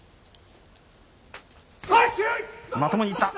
まともにいった。